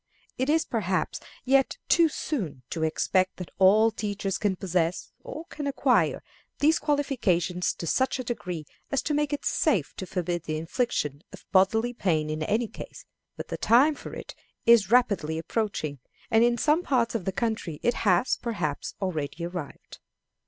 It is, perhaps, yet too soon to expect that all teachers can possess, or can acquire, these qualifications to such a degree as to make it safe to forbid the infliction of bodily pain in any case, but the time for it is rapidly approaching, and in some parts of the country it has, perhaps, already arrived.